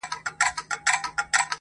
o پهدهپسېويثوابونهيېدلېپاتهسي,